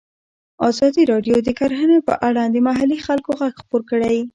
ازادي راډیو د کرهنه په اړه د محلي خلکو غږ خپور کړی.